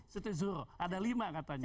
siti zuhro ada lima katanya ya